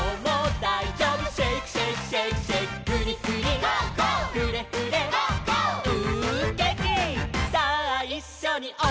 さあいっしょにおどろう」